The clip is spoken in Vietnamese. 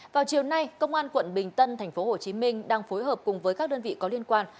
vào chiều nay công an quận bình tân tp hcm đang phối hợp cùng với các đơn vị có liên quan